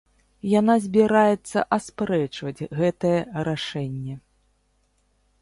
Яна збіраецца аспрэчваць гэтае рашэнне.